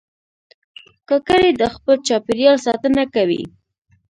کاکړي د خپل چاپېریال ساتنه کوي.